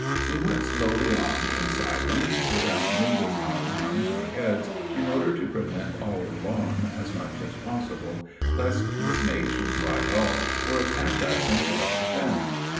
We went slowly on in silence, without moving our arms or heads, in order to prevent all alarm as much as possible, lest the snake should glide off, or attack us in self defence.